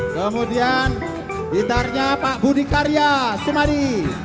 kemudian gitarnya pak budi karya sumadi